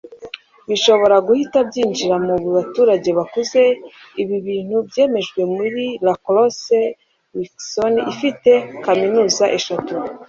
bishobora guhita byinjira mu baturage bakuze. Ubu ibintu byemejwe muri La Crosse, Wisconsin, ifite kaminuza eshatu.